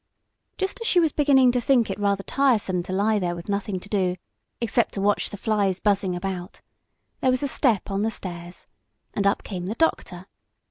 Just as she was beginning to think it rather tiresome to lie there with nothing to do, except to watch the flies buzzing about, there was a step on the stairs and up came the doctor.